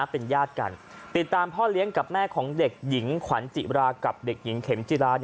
เป็นญาติกันติดตามพ่อเลี้ยงกับแม่ของเด็กหญิงขวัญจิรากับเด็กหญิงเข็มจิรา